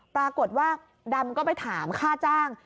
ปรากฏว่าดำก็ไปถามค่าจ้าง